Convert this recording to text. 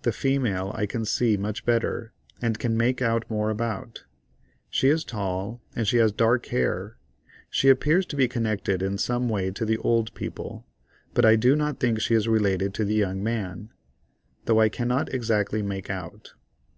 The female I can see much better, and can make out more about. She is tall, and has dark hair. She appears to be connected in some way to the old people, but I do not think she is related to the young man, though I cannot exactly make out.